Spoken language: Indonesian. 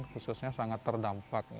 khususnya sangat terdampak